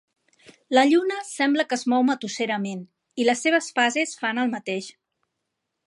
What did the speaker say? La lluna sembla que es mou matusserament, i les seves fases fan el mateix.